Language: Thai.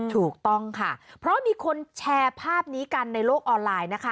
ถูกต้องค่ะเพราะมีคนแชร์ภาพนี้กันในโลกออนไลน์นะคะ